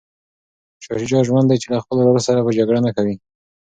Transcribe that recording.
شاه شجاع ژمن دی چي له خپل وراره سره به جګړه نه کوي.